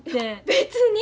別に。